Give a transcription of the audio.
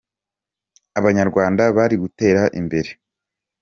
abanyarwanda bari gutera imbere.